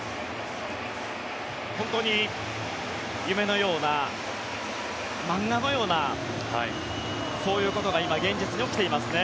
本当に夢のような漫画のようなそういうことが今、現実に起きていますね。